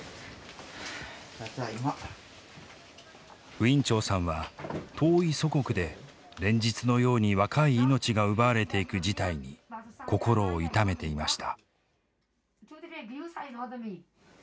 ウィン・チョウさんは遠い祖国で連日のように若い命が奪われていく事態に心を痛めていました。